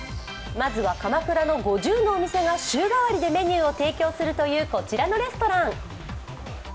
まずは鎌倉の５０のお店が週替わりでメニューを提供するというこちらのレストラン。